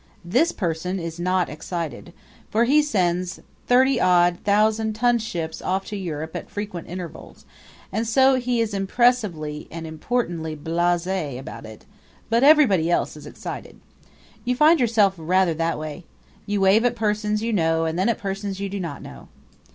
This person is not excited, for he sends thirty odd thousand ton ships off to Europe at frequent intervals, and so he is impressively and importantly blase about it; but everybody else is excited. You find yourself rather that way. You wave at persons you know and then at persons you do not know.